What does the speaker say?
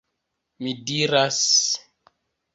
Mi diras..